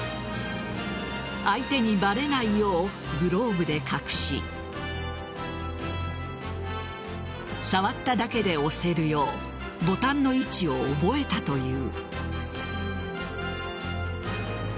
相手にばれないようグローブで隠し触っただけで押せるようボタンの位置を覚えたという。